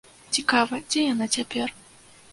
Цікава, дзе яна цяпер.